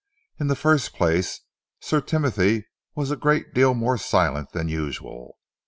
In the first place, Sir Timothy was a great deal more silent than usual.